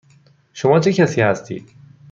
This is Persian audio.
شما چه کسی هستید؟